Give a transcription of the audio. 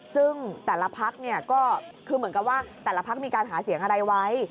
ซึ่งแต่ละพักก็คือเหมือนกับว่าแต่ละพักมีการหาเสียงอะไรไว้